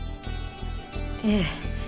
ええ。